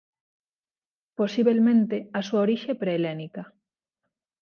Posibelmente a súa orixe é prehelénica.